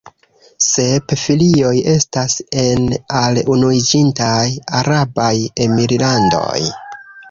Sep filioj estas en al Unuiĝintaj Arabaj Emirlandoj.